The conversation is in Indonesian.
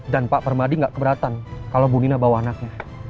dan pak permadi nggak keberatan kalau bu nina bawa anaknya